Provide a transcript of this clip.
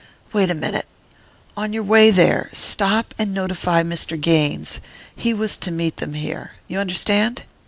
"Wait a minute. On your way there, stop and notify Mr. Gaines. He was to meet them here. You understand?"